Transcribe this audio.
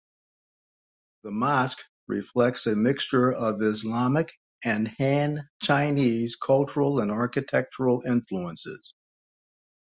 The mosque reflects a mixture of Islamic and Han Chinese cultural and architectural influences.